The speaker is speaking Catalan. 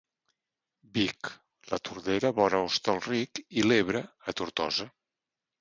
Vic, la Tordera vora Hostalric i l'Ebre a Tortosa.